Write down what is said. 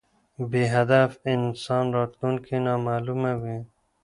بی هدف انسان راتلونکي نامعلومه وي